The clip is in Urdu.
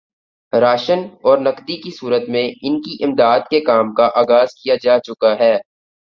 راشن اور نقدی کی صورت میں ان کی امداد کے کام کا آغاز کیا جا چکا ہے